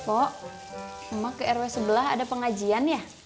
pok emang ke rw sebelah ada pengajian ya